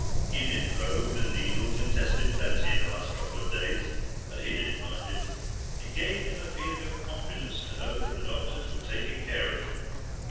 He'd been probed and needled and tested plenty in the last couple of days, but he didn't mind it. It gave him a feeling of confidence to know that the doctors were taking care of him.